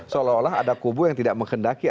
seolah olah ada kubu yang tidak menghendaki